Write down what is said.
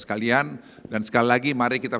sekalian dan sekali lagi mari kita